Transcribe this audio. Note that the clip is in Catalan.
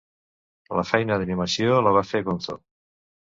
La feina d'animació la va fer Gonzo.